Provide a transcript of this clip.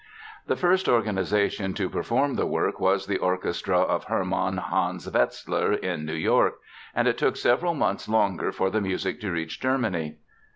The first organization to perform the work was the orchestra of Hermann Hans Wetzler, in New York, and it took several months longer for the music to reach Germany.